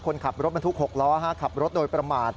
คนขับรถบรรทุก๖ล้อขับรถโดยประมาท